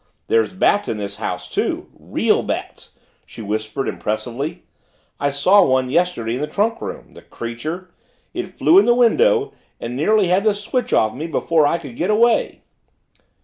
"There's bats in this house, too real bats," she whispered impressively. "I saw one yesterday in the trunk room the creature! It flew in the window and nearly had the switch off me before I could get away!"